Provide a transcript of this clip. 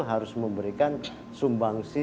harus memberikan sumbangsi